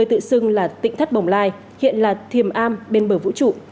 tỉnh thắt bồng lai hiện là thiềm am bên bờ vũ trụ